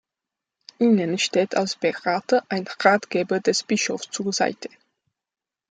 Ihnen steht als Berater ein Ratgeber des Bischofs zur Seite.